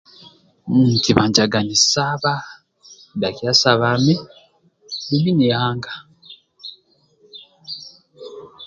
Nkibanjaga nisaba dhakia sabami dumbi ni anga